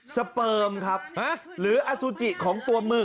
สเปิมครับหรืออสุจิของตัวหมึก